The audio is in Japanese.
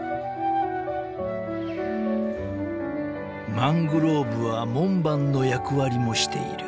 ［マングローブは門番の役割もしている］